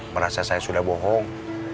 merasa saya sudah bohong